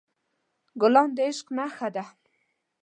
ګلان د عشق نښه ده.